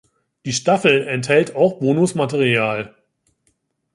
Die Staffel enthält auch Bonusmaterial.